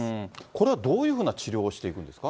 これはどういうふうな治療をしていくんですか。